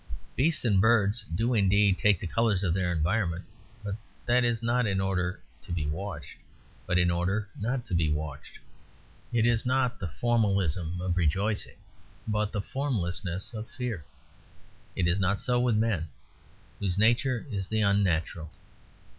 Beasts and birds do indeed take the colours of their environment; but that is not in order to be watched, but in order not to be watched; it is not the formalism of rejoicing, but the formlessness of fear. It is not so with men, whose nature is the unnatural.